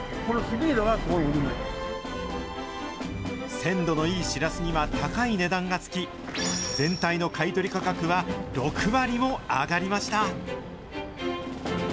鮮度のいいシラスには高い値段がつき、全体の買取価格は６割も上がりました。